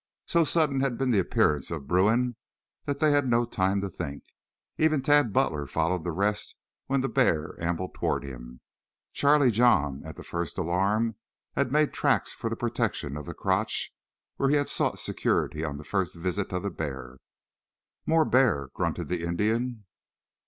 So sudden had been the appearance of Bruin that they had no time to think. Even Tad Butler followed the rest when the bear ambled toward him. Charlie John, at the first alarm, had made tracks for the protection of the crotch where he had sought security on the first visit of the bear. "More bear," grunted the Indian.